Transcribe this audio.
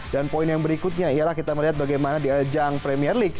dan poin yang berikutnya ialah kita melihat bagaimana di ajang premier league